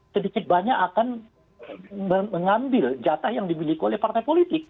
sedikit banyak akan mengambil jatah yang dimiliki oleh partai politik